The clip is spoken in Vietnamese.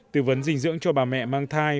tư vấn dinh dưỡng cho bà mẹ mang thai